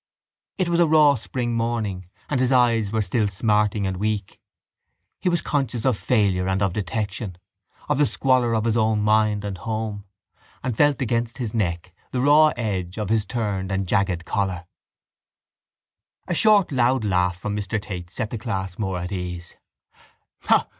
It was a raw spring morning and his eyes were still smarting and weak. He was conscious of failure and of detection, of the squalor of his own mind and home, and felt against his neck the raw edge of his turned and jagged collar. A short loud laugh from Mr Tate set the class more at ease.